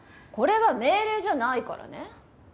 これは命令じゃないからね。